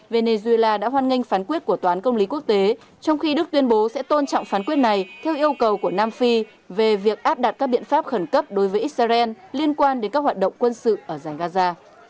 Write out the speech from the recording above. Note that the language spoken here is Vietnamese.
venezuela đã hoan nghênh phán quyết của toán công lý quốc tế trong khi đức tuyên bố sẽ tôn trọng phán quyết này theo yêu cầu của nam phi về việc áp đặt các biện pháp khẩn cấp đối với israel liên quan đến các hoạt động quân sự ở giải gaza